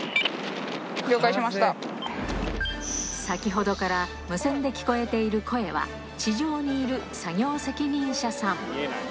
先ほどから無線で聞こえている声は地上にいる作業責任者さん